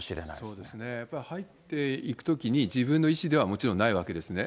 そうですね、やっぱり入っていくときに自分の意思ではもちろんないわけですね。